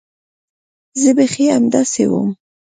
زه بيخي همداسې وم.